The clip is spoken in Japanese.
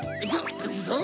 そう？